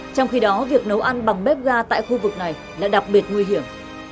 trong khi đó việc nấu ăn bằng bếp ga tại khu vực này là đặc biệt nguy hiểm